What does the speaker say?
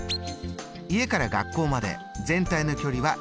家から学校まで全体の距離は２ｋｍ。